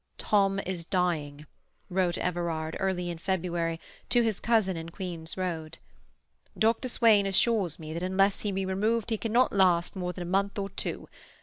"Tom is dying," wrote Everard, early in February, to his cousin in Queen's Road. "Dr. Swain assures me that unless he be removed he cannot last more than a month or two.